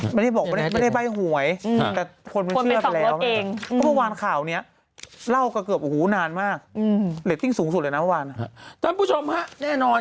ไม่ได้บอกไม่ได้ใบ้หวย